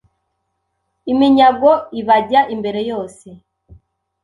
iminyago ibajya imbere yose